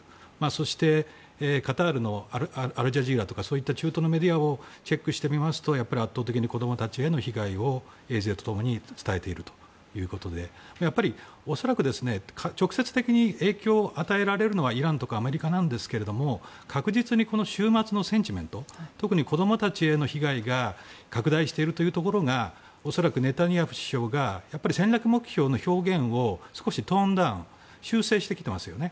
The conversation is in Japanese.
そして、カタールのアルジャジーラとかそういった中東のメディアをチェックしてみますとやっぱり圧倒的に子供たちへの被害を衛星と共に伝えているということで恐らく直接的に影響を与えられるのはイランとかアメリカなんですが確実に、この週末のセンチメント特に子供たちへの被害が拡大しているというところがネタニヤフ首相が戦略目標の表現を少しトーンダウンして修正してきていますよね。